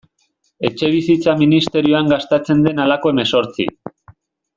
Etxebizitza ministerioan gastatzen den halako hemezortzi.